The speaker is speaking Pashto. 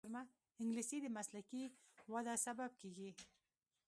انګلیسي د مسلکي وده سبب کېږي